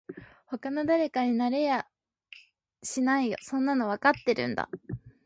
他の誰かになんてなれやしないよそんなのわかってるんだ